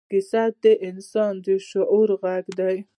کیسه د انسان د شعور غږ دی.